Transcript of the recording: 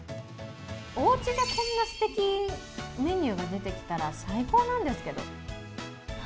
おうちでこんなすてきなメニューが出てきたら最高なんですけど。